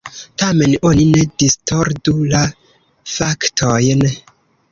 Tamen oni ne distordu la faktojn.